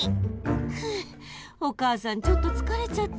ふうお母さんちょっとつかれちゃった。